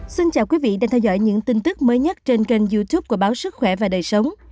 xin chào quý vị đang theo dõi những tin tức mới nhất trên kênh youtube của báo sức khỏe và đời sống